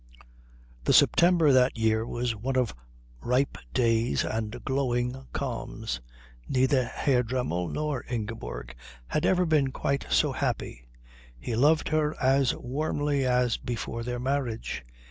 The September that year was one of ripe days and glowing calms. Neither Herr Dremmel nor Ingeborg had ever been quite so happy. He loved her as warmly as before their marriage.